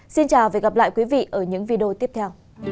xin chào và hẹn gặp lại các bạn trong những video tiếp theo